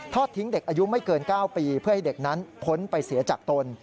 ทิ้งเด็กอายุไม่เกิน๙ปีเพื่อให้เด็กนั้นพ้นไปเสียจากตน